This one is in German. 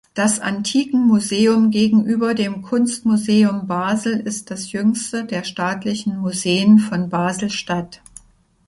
Das Antikenmuseum gegenüber dem Kunstmuseum Basel ist das jüngste der staatlichen Museen von Basel-Stadt.